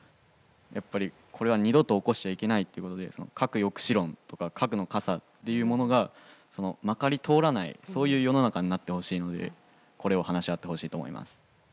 やっぱりこれは二度と起こしちゃいけないということで核抑止論とか核の傘っていうものがまかり通らないそういう世の中になってほしいのでこれを話し合ってほしいと思います。